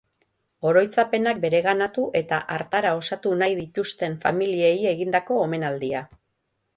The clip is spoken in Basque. Oroitzapenak bereganatu eta hartara osatu nahi dituzten familiei egindako omenaldia.